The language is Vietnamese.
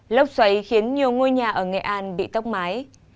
lốc xoáy khiến nhiều ngôi nhà ở nghệ an bị tốc mái